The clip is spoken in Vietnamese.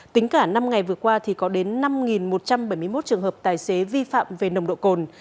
tính cả năm ngày vừa qua thì có đến năm một trăm bảy mươi một trường hợp tài xế vi phạm về nồng độ cồn